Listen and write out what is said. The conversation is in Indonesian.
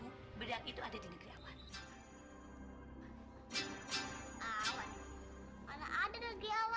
oh saya merasa sangat gembira